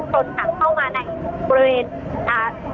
คนขับเข้ามาในบริเวณอ่า